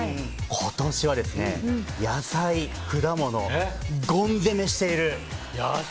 今年は、野菜、果物ゴン攻めしている。